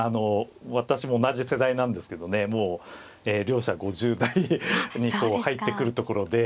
私も同じ世代なんですけどねもう両者５０代に入ってくるところで。